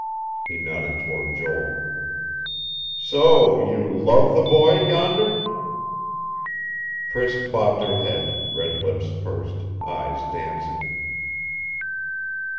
He nodded toward Joel. "So you love the boy, yonder?" Priss bobbed her head, red lips pursed, eyes dancing.